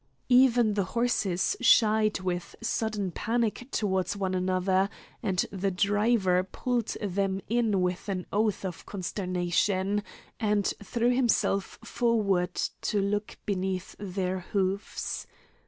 Even the horses shied with sudden panic towards one another, and the driver pulled them in with an oath of consternation, and threw himself forward to look beneath their hoofs.